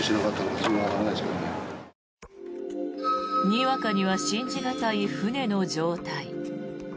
にわかには信じ難い船の状態。